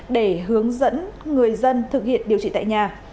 để hướng dẫn người dân thực hiện điều trị tại nhà